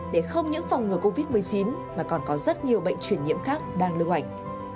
để không những phòng ngừa covid một mươi chín mà còn có rất nhiều bệnh chuyển nhiễm khác đang lưu hành